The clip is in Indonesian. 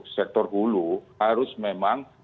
sektor hulu harus memang